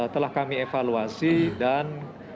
telah kami evaluasi dan